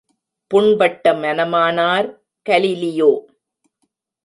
புண்பட்ட மனமானார் கலீலியோ!